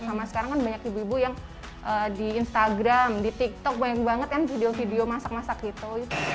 sama sekarang kan banyak ibu ibu yang di instagram di tiktok banyak banget kan video video masak masak gitu